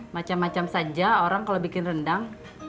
macam macam saja orang kalau bikin rendang